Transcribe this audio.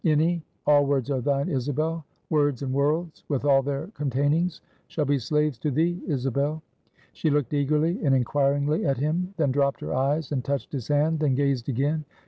"Any, all words are thine, Isabel; words and worlds with all their containings, shall be slaves to thee, Isabel." She looked eagerly and inquiringly at him; then dropped her eyes, and touched his hand; then gazed again.